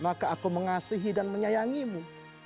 maka aku mengasihi dan menyayangimu